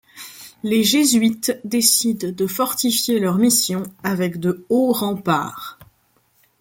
Les jésuites décident de fortifier leur mission avec de hauts remparts.